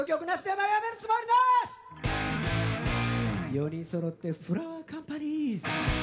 ４人そろってフラワーカンパニーズ。